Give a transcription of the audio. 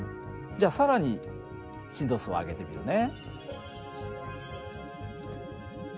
じゃあ更に振動数を上げてみようね。